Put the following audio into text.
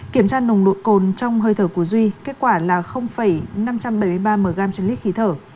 kiểm tra nồng độ cồn trong hơi thở của duy kết quả là năm trăm bảy mươi ba mg trên lít khí thở